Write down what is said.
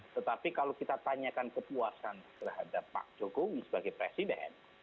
tetapi kalau kita tanyakan kepuasan terhadap pak jokowi sebagai presiden